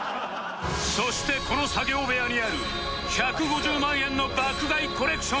そしてこの作業部屋にある１５０万円の爆買いコレクションがこちら